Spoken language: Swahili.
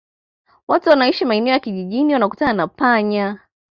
Watu wanaoishi maeneo ya kijijini wanaokutana na panya